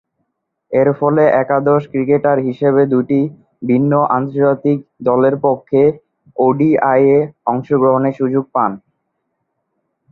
এরফলে, একাদশ ক্রিকেটার হিসেবে দুইটি ভিন্ন আন্তর্জাতিক দলের পক্ষে ওডিআইয়ে অংশগ্রহণের সুযোগ পান।